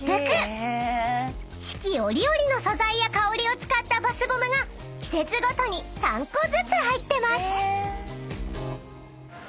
［四季折々の素材や香りを使ったバスボムが季節ごとに３個ずつ入ってます］